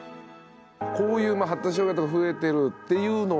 こういう発達障害とか増えてるっていうのはご存じでした？